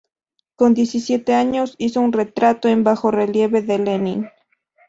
Con diecisiete años, hizo un retrato en bajorrelieve de Lenin.